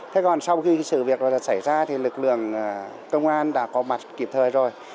thế còn sau khi sự việc xảy ra thì lực lượng công an đã có mặt kịp thời rồi